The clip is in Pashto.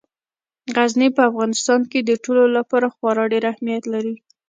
غزني په افغانستان کې د ټولو لپاره خورا ډېر اهمیت لري.